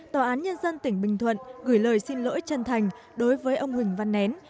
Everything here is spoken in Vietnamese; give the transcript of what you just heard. tòa án nhân dân tỉnh bình thuận gửi lời xin lỗi chân thành đối với ông huỳnh văn nén